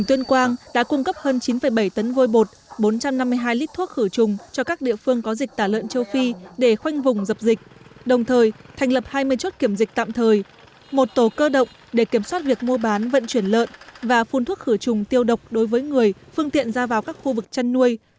tuyên truyền cho năm mươi hai lít thuốc khử trùng cho các địa phương có dịch tả lợn châu phi để khoanh vùng dập dịch đồng thời thành lập hai mươi chốt kiểm dịch tạm thời một tổ cơ động để kiểm soát việc mua bán vận chuyển lợn và phun thuốc khử trùng tiêu độc đối với người phương tiện ra vào các khu vực chăn nuôi